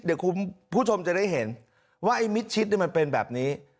เดี๋ยวคุณผู้ชมจะได้เห็นว่าไอ้มิดชิดมันเป็นแบบนี้